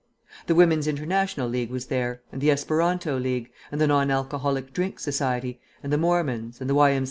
The Women's International League was there, and the Esperanto League, and the Non Alcoholic Drink Society, and the Mormons, and the Y.M.